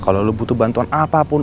kalau lo butuh bantuan apapun